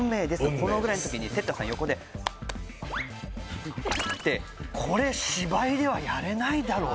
このぐらいの時に哲太さん横でこれ芝居ではやれないだろう